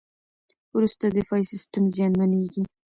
وروسته دفاعي سیستم زیانمنېږي.